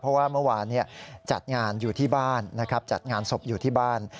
เพราะว่าเมื่อวานจัดงานอยู่ที่บ้านนะครับจัดงานศพอยู่ที่บ้าน